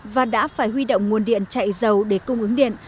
và đã phải huy động nguồn điện chạy dầu để cung ứng điện